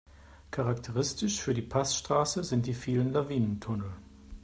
Charakteristisch für die Passstraße sind die vielen Lawinentunnel.